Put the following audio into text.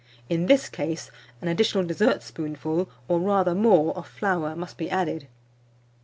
In this case, an additional dessertspoonful, or rather more, of flour must be added.